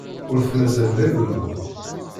Ur t-mazal d agrud.